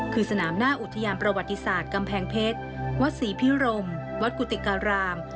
คือสนามหน้าอุทยานประวัติศาสตร์กำแพงเพชรวัดศรีพิรมวัดกุฏิการาม